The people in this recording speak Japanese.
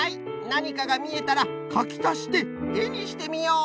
なにかがみえたらかきたしてえにしてみよう。